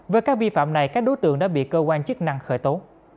với các vi phạm này các đối tượng đã bị cơ quan chức năng khởi tố